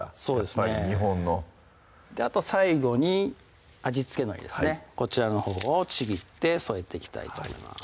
やっぱり日本のあと最後に味つけのりですねこちらのほうをちぎって添えていきたいと思います